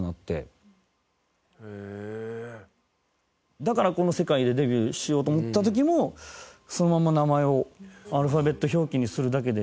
だからこの世界でデビューしようと思った時もそのまま名前をアルファベット表記にするだけで。